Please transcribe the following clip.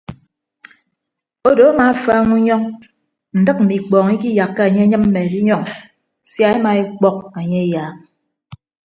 Odo amaafaaña unyọñ ndịk mme ikpọọñ ikiyakka enye enyịmme edinyọñ sia ema ekpọk enye eyaak.